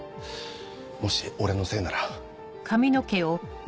もし俺のせいなら。